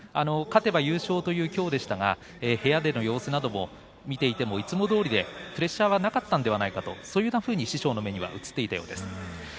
勝てば優勝というきょうでしたが部屋での様子などを見ていてもいつもどおりでプレッシャーはなかったんではないかとそういうふうに師匠の目にうつっていたようです。